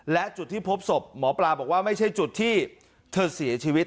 และจุดที่พบศพหมอปลาบอกว่าไม่ใช่จุดที่เธอเสียชีวิต